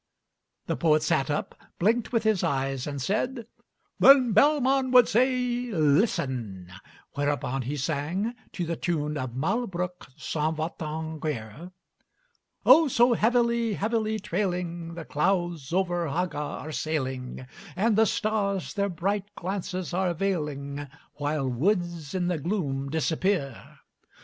The poet sat up, blinked with his eyes, and said, 'Then Bellman would say, listen;' whereupon he sang to the tune of 'Malbrouck s'en va t en guerre': "'Oh, so heavily, heavily trailing, The clouds over Haga are sailing, And the stars their bright glances are veiling, While woods in the gloom disappear.